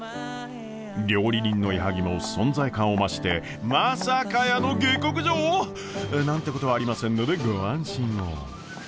料理人の矢作も存在感を増してまさかやーの下克上！？なんてことはありませんのでご安心を。